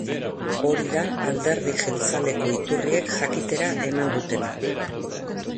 Hori da alderdi jeltzaleko iturriek jakitera eman dutena.